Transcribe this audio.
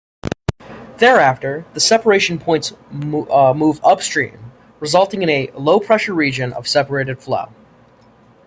Thereafter, the separation points move upstream, resulting in a low-pressure region of separated flow.